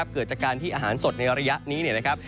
เกิดจากการที่อาหารสดในระยะนี้